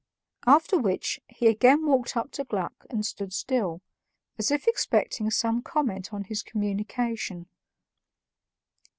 After which he again walked up to Gluck and stood still, as if expecting some comment on his communication.